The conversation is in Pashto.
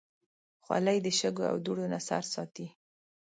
خولۍ د شګو او دوړو نه سر ساتي.